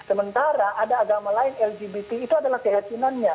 sementara ada agama lain lgbt itu adalah keyakinannya